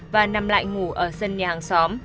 và nằm lại ngủ ở sân nhà hàng xóm